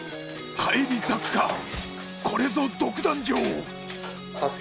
返り咲くかこれぞ独壇場